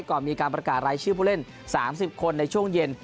ก่อนมีการประกาศรายชื่อผู้เล่น๓๐คนในช่วงเย็น